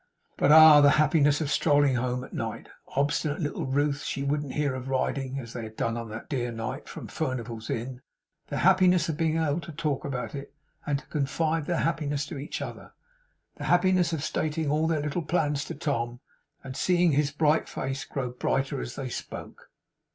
But ah! the happiness of strolling home at night obstinate little Ruth, she wouldn't hear of riding! as they had done on that dear night, from Furnival's Inn! The happiness of being able to talk about it, and to confide their happiness to each other! The happiness of stating all their little plans to Tom, and seeing his bright face grow brighter as they spoke!